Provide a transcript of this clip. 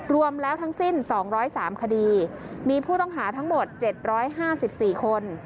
รวมแล้วทั้งสิ้นสองร้อยสามคดีมีผู้ต้องหาทั้งหมดเจ็ดร้อยห้าสิบสี่คน